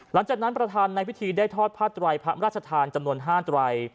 หลังจากนั้นประธานในพิธีได้ทอดผ้าไตรพระราชทานจำนวน๕ไตร